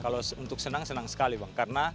kalau untuk senang senang sekali bang